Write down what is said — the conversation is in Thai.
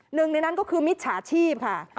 หนึ่งในนั้นก็คือมิจฉาชีพค่ะ